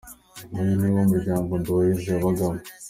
Uyu ni wo muryango Nduwayezu yabagamo.